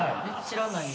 知らない。